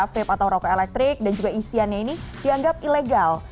vape atau rokok elektrik dan juga isiannya ini dianggap ilegal